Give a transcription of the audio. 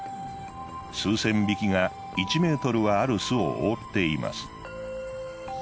数千匹が１ｍはある巣を覆っています。